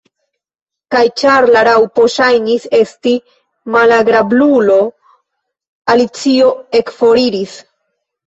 Kaj ĉar la Raŭpo ŝajnis esti malagrablulo, Alicio ekforiris.